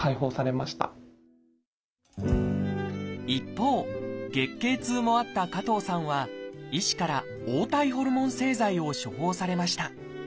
一方月経痛もあった加藤さんは医師から「黄体ホルモン製剤」を処方されました。